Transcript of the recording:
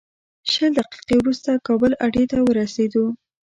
شل دقیقې وروسته کابل اډې ته ورسېدو.